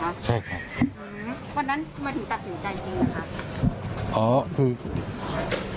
เพราะฉะนั้นมันถึงตัดสินใจจริงหรือครับ